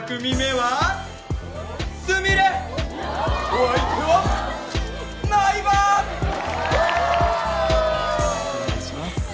お願いします